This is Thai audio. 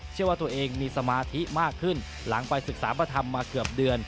เชื่อว่าตัวเองมีสมาธิมากขึ้นหลังไปศึกษาประธรรมมาเกือบเดือน